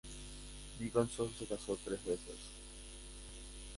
Nicholson se casó tres veces.